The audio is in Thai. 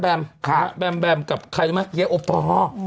แบมกับใครรู้ไหมเย้โอปอร์